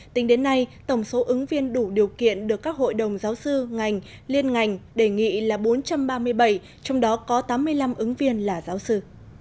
tính đến nay tổng số ứng viên đủ điều kiện được các hội đồng giáo sư ngành liên ngành đề nghị là bốn trăm ba mươi bảy trong đó có tám mươi năm ứng viên là giáo sư